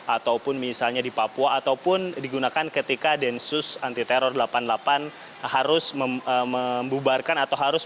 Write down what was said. ataupun misalnya di papua ataupun digunakan ketika densus antiterror delapan puluh delapan harus membubarkan